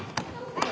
はい！